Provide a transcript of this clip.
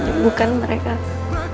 tidak tahu hal apapun